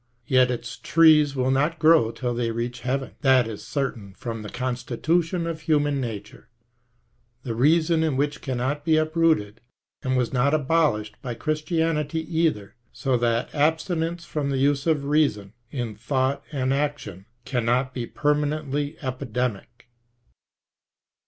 Yet its trees will not grow till they reach heaven ; that is certain from the constitution of human nature, the reason in which cannot be uprooted and was not abolished by Christianity either, so that abstinence from the use of reason in thought and action cannot be permanently epidemic.